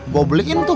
gue beliin tuh